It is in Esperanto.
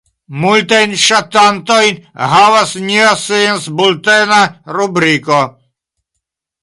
Multajn ŝatantojn havas nia sciencbultena rubriko.